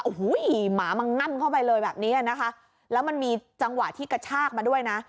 โอ้โหหมามันง่ำเข้าไปเลยแบบนี้นะคะแล้วมันมีจังหวะที่กระชากมาด้วยนะ